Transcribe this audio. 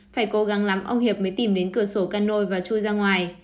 phải cố gắng lắm ông hiệp mới tìm đến cửa sổ cano và chui ra ngoài